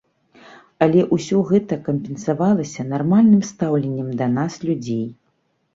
Але ўсё гэта кампенсавалася нармальным стаўленнем да нас людзей.